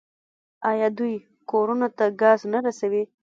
آیا دوی کورونو ته ګاز نه رسوي؟